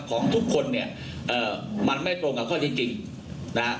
ของทุกคนเนี่ยมันไม่ตรงกับข้อเจนจริงนะครับ